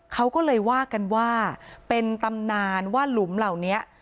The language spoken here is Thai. เขาก็เลยว่ากันว่าเป็นตำนานว่าหลุมเหล่านี้